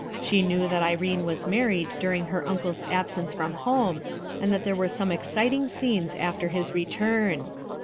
She knew that Irene was mar ried during her uncle's absence from home, and that there were some exciting scenes after his return.